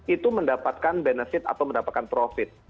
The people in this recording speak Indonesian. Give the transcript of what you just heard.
itu mendapatkan benefit atau mendapatkan profit